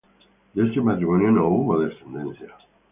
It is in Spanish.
De este matrimonio no hubo descendencia.